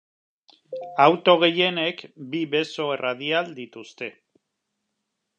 Auto gehienek bi beso erradial dituzte.